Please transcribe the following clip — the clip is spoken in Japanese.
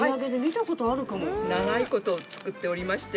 長いこと作っておりまして。